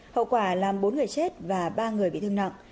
hậu quả làm bốn người chết và ba người bị thương nặng